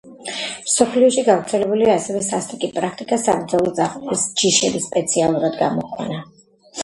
მსოფლიოში გავრცელებულია ასევე სასტიკი პრაქტიკა საბრძოლო ძაღლის ჯიშების სპეციალურად გამოყვანა,